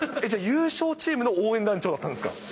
じゃ優勝チームの応援団長だったんですか。